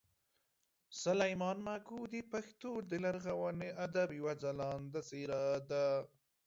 سلیمان ماکو د پښتو د لرغوني ادب یوه خلانده څېره ده